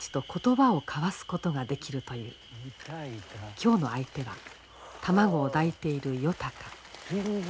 今日の相手は卵を抱いているヨタカ。